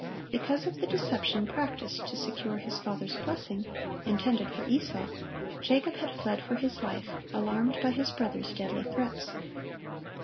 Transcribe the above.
Because of the deception practised to secure his father's blessing, intended for Esau, Jacob had fled for his life, alarmed by his brother's deadly threats.